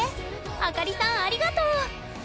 あかりさんありがとう！